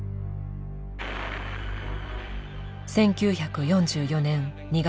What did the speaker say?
１９４４年２月。